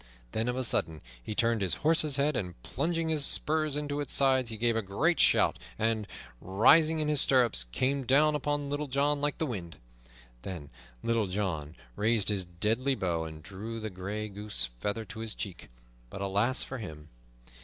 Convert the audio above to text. Then of a sudden he turned his horse's head, and plunging his spurs into its sides he gave a great shout, and, rising in his stirrups, came down upon Little John like the wind. Then Little John raised his deadly bow and drew the gray goose feather to his cheek. But alas for him!